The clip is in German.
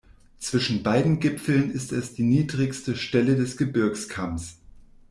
Zwischen beiden Gipfeln ist es die niedrigste Stelle des Gebirgskamms.